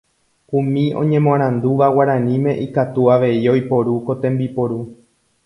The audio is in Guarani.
Umi oñemoarandúva guaraníme ikatu avei oiporu ko tembiporu